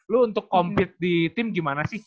lu untuk compete di tim gimana sih